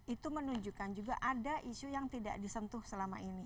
itu menunjukkan juga ada isu yang tidak disentuh selama ini